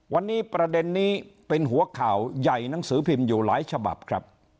วันนี้ประเด็นนี้เป็นหัวข่าวใหญ่หนังสือพิมพ์อยู่หลายฉบับครับ